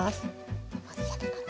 まずさけから。